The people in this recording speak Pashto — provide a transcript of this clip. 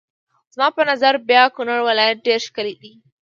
زما په نظر بیا کونړ ولایت ډېر ښکلی دی.